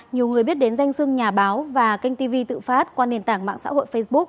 nhiều người biết đến danh sưng nhà báo và kênh tv tự phát qua nền tảng mạng xã hội facebook